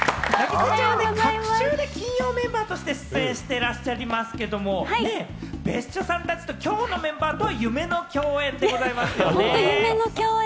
隔週で金曜メンバーとして出演してらっしゃりますけど、別所さんたちと、きょうのメンバーと、夢の共演でございますね。